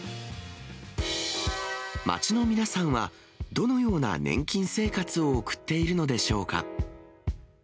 街の皆さんは、どのような年金生活を送っているのでしょうか。